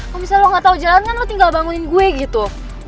kok misalnya lo gak tau jalan kan lo tinggal bangunin gue gitu